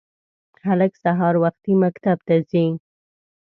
هلک سهار وختي مکتب ته ځي